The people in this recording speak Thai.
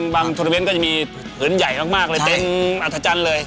บางธุรกิจก็จะมีผลใหญ่มากเป็นอัธจันทร์เลย